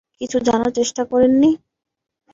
কিছু জানার চেষ্টা করেন নি?